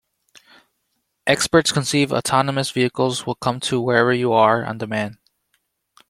Experts conceive autonomous vehicles will come to wherever you are on demand.